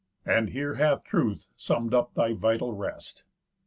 And here hath Truth summ'd up thy vital rest.